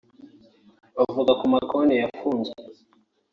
Bavuga ku makonti yafunzwe